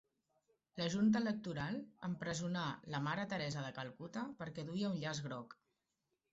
La junta electoral empresonà la mare Teresa de Calcuta perquè duia un llaç groc